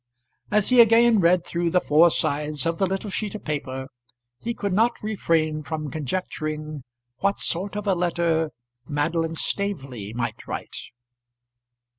As he again read through the four sides of the little sheet of paper, he could not refrain from conjecturing what sort of a letter Madeline Staveley might write.